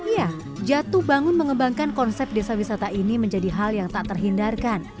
ya jatuh bangun mengembangkan konsep desa wisata ini menjadi hal yang tak terhindarkan